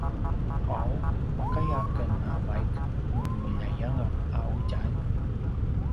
’aw makaya aken a vaik nu meljayanga a ’udjalj?